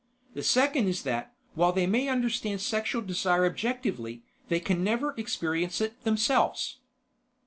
The second is that, while they may understand sexual desire objectively, they can never experience it themselves.